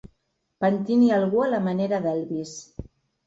Pentini algú a la manera d'Elvis.